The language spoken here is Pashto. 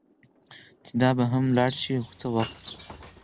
چې دا به هم ولاړه شي، خو څه وخت.